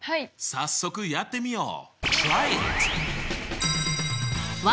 早速やってみよう！